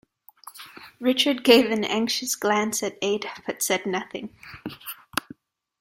Richard gave an anxious glance at Ada but said nothing.